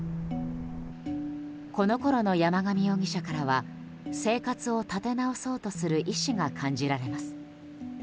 このころの山上容疑者からは生活を立て直そうとする意思が感じられます。